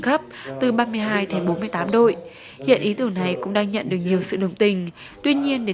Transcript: khắp từ ba mươi hai đến bốn mươi tám đội hiện ý tưởng này cũng đang nhận được nhiều sự đồng tình tuy nhiên để